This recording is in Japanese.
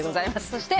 そして。